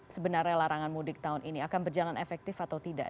sebenarnya larangan mudik tahun ini akan berjalan efektif atau tidak